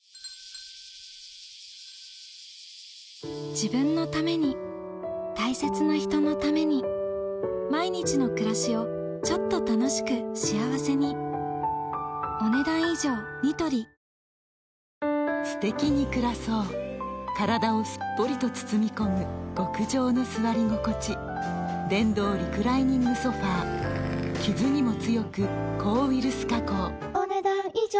自分のために大切な人のために毎日の暮らしをちょっと楽しく幸せにすてきに暮らそう体をすっぽりと包み込む極上の座り心地電動リクライニングソファ傷にも強く抗ウイルス加工お、ねだん以上。